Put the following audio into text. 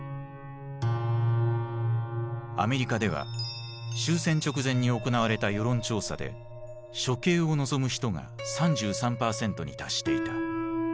アメリカでは終戦直前に行われた世論調査で処刑を望む人が３３％に達していた。